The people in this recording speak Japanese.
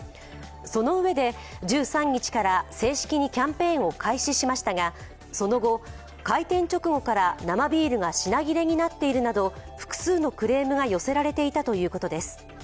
そのうえで１３日から正式にキャンペーンを開始しましたがその後、開店直後から生ビールが品切れになっているなど、複数のクレームが寄せられていたということです。